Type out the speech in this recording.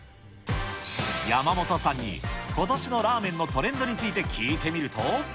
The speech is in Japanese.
山本さんにことしのラーメンのトレンドについて聞いてみると。